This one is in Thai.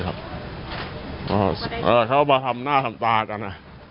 เขามาทำหน้าทำตากัน